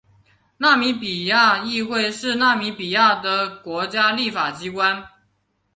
纳米比亚议会是纳米比亚的国家立法机关。